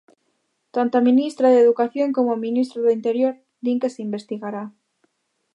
Tanto a ministra de Educación como o ministro do Interior din que se investigará.